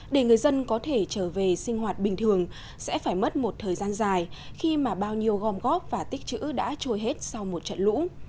để người dân có thể trở về sinh hoạt bình thường sẽ phải mất một thời gian dài khi mà bao nhiêu gom góp và tích chữ đã trôi hết sau một trận lũ